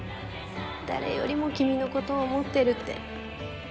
誰よりも君のことを想ってるって」。